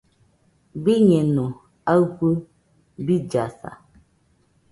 Biñeno aɨfɨ billasa.